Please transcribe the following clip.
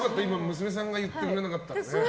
娘さんが言ってくれなかったらね。